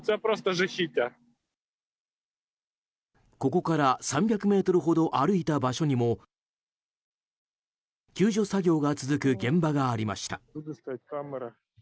ここから３００ｍほど歩いた場所にも救助作業が続く現場がありました。